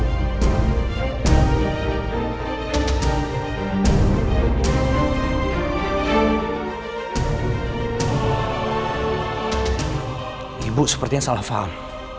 ini bu sepertinya salah faham